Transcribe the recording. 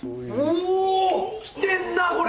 おきてんなこれ！